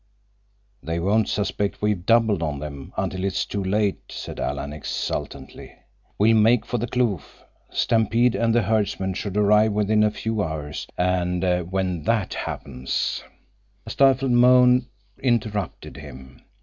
"They won't suspect we've doubled on them until it is too late," said Alan exultantly. "We'll make for the kloof. Stampede and the herdsmen should arrive within a few hours, and when that happens—" A stifled moan interrupted him.